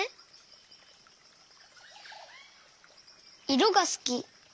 いろがすき。